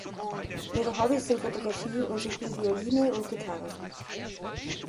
Ihre Hobbys sind Fotografie und sie spielt Violine und Gitarre.